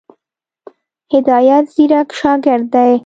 هدایت ځيرک شاګرد دی.